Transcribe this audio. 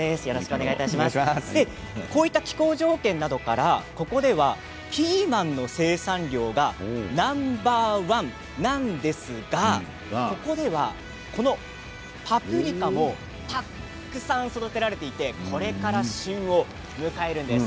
こういった気候条件などからここではピーマンの生産量がナンバー１なんですがここでは、このパプリカもたくさん育てられていてこれから旬を迎えるんです。